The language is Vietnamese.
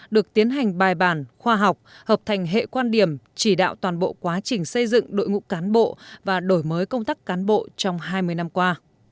được tiến hành bài bản khoa học hợp thành hệ quan điểm chỉ đạo toàn bộ quá trình xây dựng đội ngũ cán bộ và đổi mới công tác cán bộ trong hai mươi năm qua